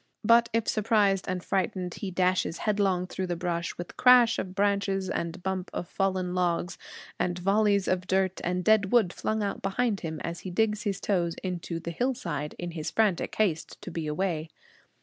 But if surprised and frightened, he dashes headlong through the brush with crash of branches, and bump of fallen logs, and volleys of dirt and dead wood flung out behind him as he digs his toes into the hillside in his frantic haste to be away.